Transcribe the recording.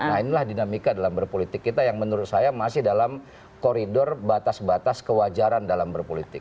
nah inilah dinamika dalam berpolitik kita yang menurut saya masih dalam koridor batas batas kewajaran dalam berpolitik